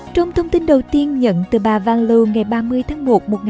trong thông tin đầu tiên nhận từ bà van loo ngày ba mươi tháng một một nghìn tám trăm sáu mươi bốn